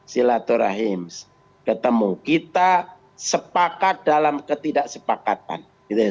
silaturahims ketemu kita sepakat dalam ketidaksepakatan